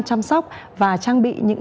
chăm sóc và trang bị những